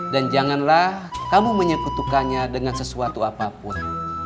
dan janganlah kamu menyekutukanya dengan sesuatu apapun